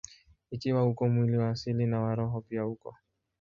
Ikiwa uko mwili wa asili, na wa roho pia uko.